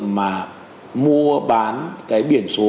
mà mua bán cái biển số